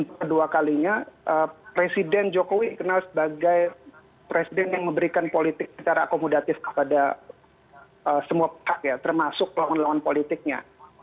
nah saya ingin mengingatkan sebenarnya presiden jokowi dikenal sebagai presiden yang memberikan politik secara akomodatif kepada semua pak ya termasuk pelawan pelawan politiknya